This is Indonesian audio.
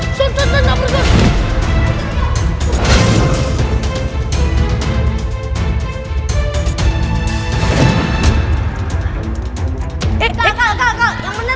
asun asun takut asun